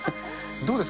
どうですか？